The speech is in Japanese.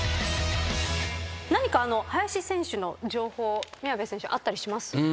何か林選手の情報宮部選手あったりします？